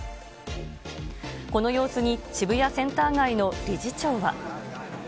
この様子に渋谷センター街の理事長は。